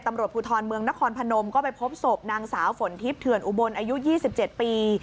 ตำรวจภูทรเมืองนครพนมก็ไปพบศพนางสาวฝนทิพย์เถื่อนอุบลอายุ๒๗ปี